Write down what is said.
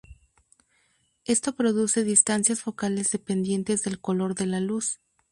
Esto produce distancias focales dependientes del color de la luz.